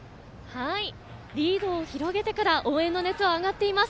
リードを広げてから応援の熱は上がっています。